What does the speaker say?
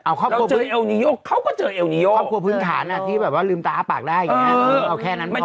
เราเจอเอลนิโยเขาก็เจอเอลนิโยครอบครัวพื้นฐานอ่ะที่แบบว่าลืมตาปากได้อย่างเนี่ย